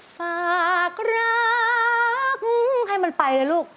ฝากรักให้มันไปนะลูก